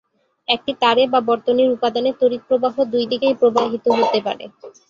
একটি তারে বা বর্তনীর উপাদানে তড়িৎপ্রবাহ দুই দিকেই প্রবাহিত হতে পারে।